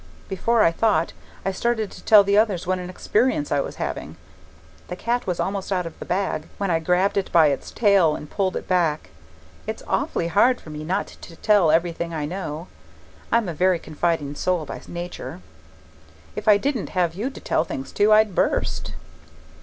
Before I thought, I started to tell the others what an experience I was having. The cat was almost out of the bag when I grabbed it by its tail and pulled it back. It's awfully hard for me not to tell everything I know. I'm a very confiding soul by nature; if I didn't have you to tell things to, I'd burst.